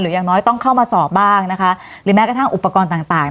อย่างน้อยต้องเข้ามาสอบบ้างนะคะหรือแม้กระทั่งอุปกรณ์ต่างต่าง